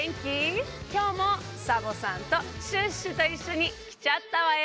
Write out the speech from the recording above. きょうもサボさんとシュッシュといっしょにきちゃったわよ！